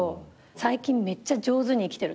最近めっちゃ上手に生きてると思う私。